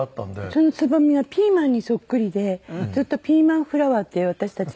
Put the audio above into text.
そのつぼみがピーマンにそっくりでずっとピーマンフラワーって私たちは呼んでたんだけど。